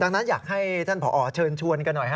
ดังนั้นอยากให้ท่านผอเชิญชวนกันหน่อยฮะ